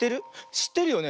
しってるよね。